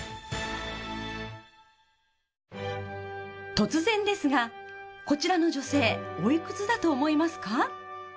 突然ですがこちらの女性おいくつだと思いますか？